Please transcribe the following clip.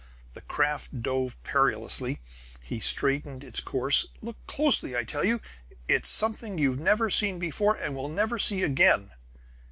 The craft dove perilously; he straightened its course. "Look closely, I tell you! It's something you've never seen before, and will never see again!"